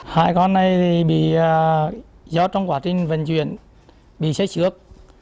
hai con này bị do trong quá trình vận chuyển bị xét xước